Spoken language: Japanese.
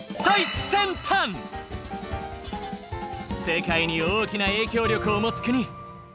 世界に大きな影響力を持つ国